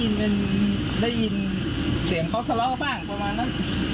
ได้ยินเสียงเขาทะเลาะบ้างประมาณนั้น